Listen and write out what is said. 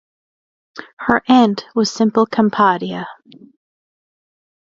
Her aunt was Simple Kapadia.